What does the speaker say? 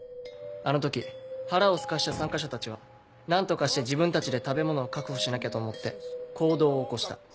あの時腹をすかせた参加者たちは何とかして自分たちで食べ物を確保しなきゃと思って行動を起こした。